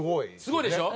すごいでしょ？